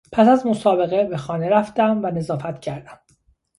پس از مسابقه به خانه رفتم و نظافت کردم.